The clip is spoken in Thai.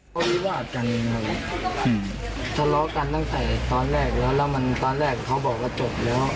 เขาวิวาดกันครับทะเลาะกันตั้งแต่ตอนแรกแล้วแล้วมันตอนแรกเขาบอกว่าจบแล้ว